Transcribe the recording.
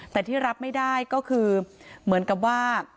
แต่ที่รับไม่ได้ก็คือเหมือนกับว่า